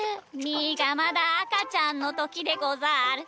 みーがまだあかちゃんのときでござる。